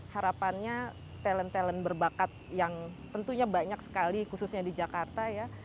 harapannya talent talent berbakat yang tentunya banyak sekali khususnya di jakarta ya